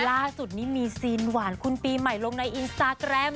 ล่าสุดนี้มีซีนหวานคุณปีใหม่ลงในอินสตาแกรม